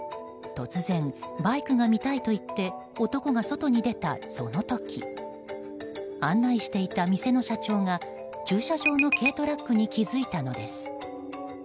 突然、バイクが見たいと言って男が外に出たその時案内していた店の社長が駐車場の軽トラックに気づいたのです。